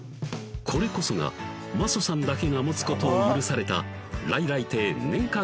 これこそがマソさんだけが持つことを許された来来亭年間